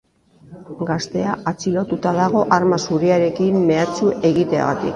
Gaztea atxilotuta dago arma zuriarekin mehatxu egiteagatik.